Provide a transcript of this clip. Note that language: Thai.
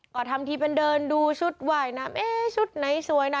ก็ทำทีเป็นเดินดูชุดว่ายน้ำเอ๊ะชุดไหนสวยนะ